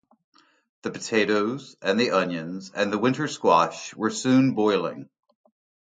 The potatoes and the onions and the winter squash were soon boiling.